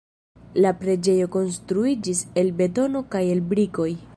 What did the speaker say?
La preĝejo konstruiĝis el betono kaj el brikoj.